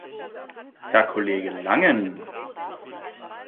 Herr Kollege Langen!